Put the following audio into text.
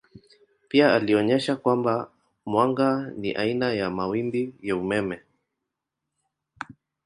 Pia alionyesha kwamba mwanga ni aina ya mawimbi ya umeme.